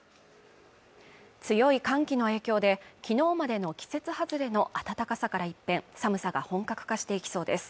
強い寒気の影響で昨日までの季節外れの暖かさから一変寒さが本格化していきそうです